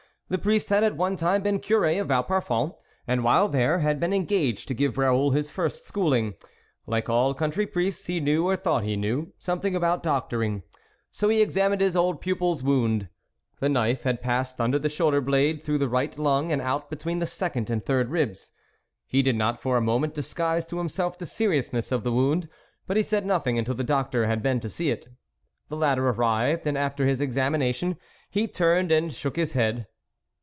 The priest had at one time been Cure of Vauparfond, and while there had been engaged to give Raoul his first schooling. Like all country priests, he knew, or thought he knew, something about doctor ing ; so he examined his old pupil's wound. The knife had passed under the shoulder blade, through the right lung, and out between the second and third ribs. He did not for a moment disguise to himself the seriousness of the wound, but he said nothing until the doctor had been to see it. The latter arrived and after his examination, he turned and shook his head.